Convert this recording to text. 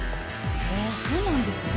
へえそうなんですね。